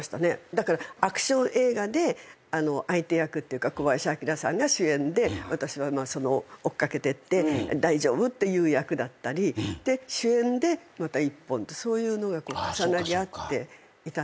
だからアクション映画で相手役っていうか小林旭さんが主演で私は追っ掛けてって「大丈夫？」って言う役だったり。で主演でまた一本ってそういうのが重なり合っていた。